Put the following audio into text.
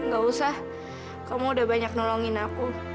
gak usah kamu udah banyak nolongin aku